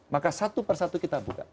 maka satu persatu kita buka